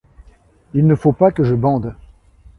Il ne faut pas que je bande.